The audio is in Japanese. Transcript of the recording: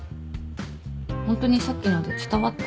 ホントにさっきので伝わった？